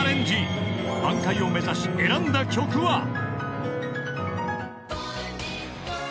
［挽回を目指し選んだ曲は］